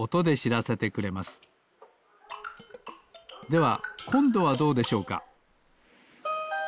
ではこんどはどうでしょうか？